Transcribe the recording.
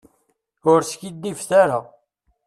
Ur skiddibet ara.